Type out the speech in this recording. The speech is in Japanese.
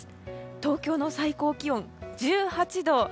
東京の最高気温、１８度。